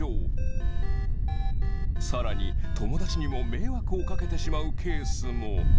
さらに友達にも迷惑をかけてしまうケースも。